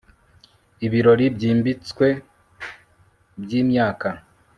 Ibirori byimbitse byimyaka